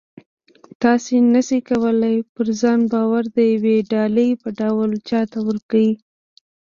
تاسې نه شئ کولی پر ځان باور د یوې ډالۍ په ډول چاته ورکړئ